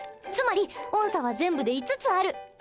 つまり音叉は全部で５つある。